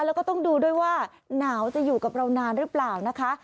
แล้วก็ต้องดูด้วยว่าหนาวจะอยู่กับเรานานหรือเปล่านะคะ